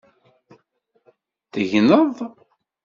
Tegneḍ?